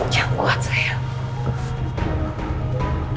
jauh kuat sayang